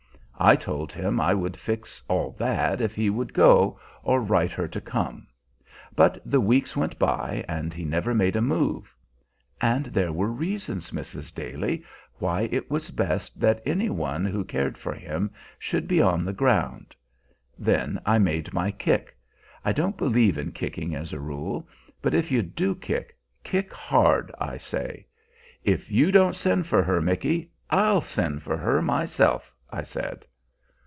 I told him I would fix all that if he would go, or write her to come. But the weeks went by, and he never made a move. And there were reasons, Mrs. Daly, why it was best that any one who cared for him should be on the ground. Then I made my kick. I don't believe in kicking, as a rule; but if you do kick, kick hard, I say. 'If you don't send for her, Micky, I'll send for her myself,' I said.